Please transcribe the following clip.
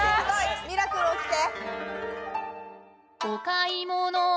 ミラクル起きて。